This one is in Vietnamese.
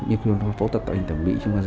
như khuyên hoa phẫu tập tạo hình tẩm mỹ